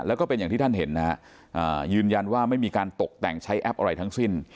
แล้วก็เป็นอย่างที่ท่านเห็นนะฮะยืนยันว่าไม่มีการตกแต่งใช้แอปอะไรทั้งสิ้น